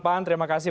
pan terima kasih